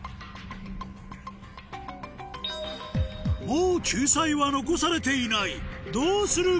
もう救済は残されていないどうする？